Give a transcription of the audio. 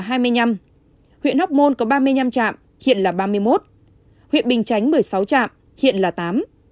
huyện hóc môn có ba mươi năm trạm hiện là ba mươi một huyện bình chánh một mươi sáu trạm hiện là tám